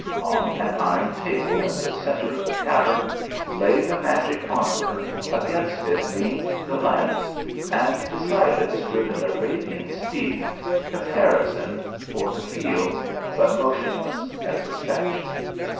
On an iron table in the centre of the cavern lay the magic armour, against it leaned the lance, and beside it stood an Arabian steed, caparisoned for the field, but motionless as a statue.